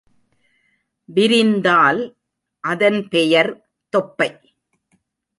விரிந்தால், அதன்பெயர் தொப்பை.